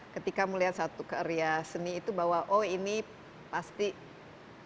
ketika melihat satu karya seni itu bahwa oh ini pasti